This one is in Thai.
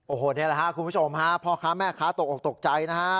โอ้โหนี่แหละครับคุณผู้ชมฮะพ่อค้าแม่ค้าตกออกตกใจนะฮะ